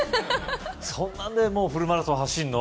そんなんでフルマラソン走んの？